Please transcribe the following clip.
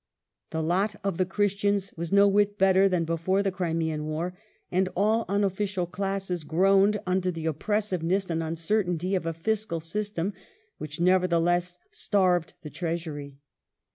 The lot of the Christians was no whit better than before the Crimean War, and all unofficial classes gi oaned under the op pressiveness and uncertainty of a fiscal system which nevertheless starved the lYeasuiy.